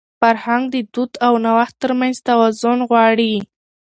فرهنګ د دود او نوښت تر منځ توازن غواړي.